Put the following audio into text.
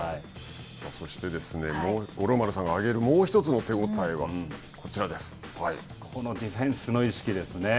そして、五郎丸さんが挙げるもうひとつの手応えは、こちらでディフェンスの意識ですね。